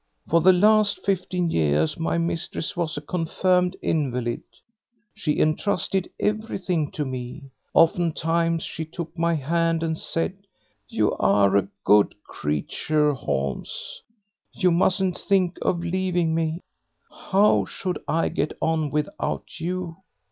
For the last fifteen years my mistress was a confirmed invalid. She entrusted everything to me. Oftentimes she took my hand and said, 'You are a good creature, Holmes, you mustn't think of leaving me; how should I get on without you?'